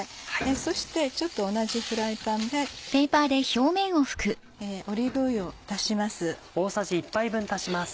そしてちょっと同じフライパンでオリーブ油を足します。